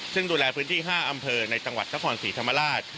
ซึ่งดูแลพื้นที่๕อำเภอในจังหวัดนครศรีธรรมราช